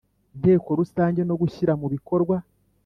Nteko Rusange no gushyira mubikorwa